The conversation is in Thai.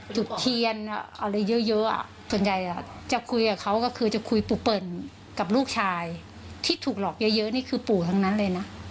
จุดเทียนอะไรเยอะส่วนใหญ่จะคุยกับเขาก็คือจะคุยปู่เปิ่นกับลูกชายที่ถูกหลอกเยอะนี่คือปู่ทั้งนั้นเลยนะ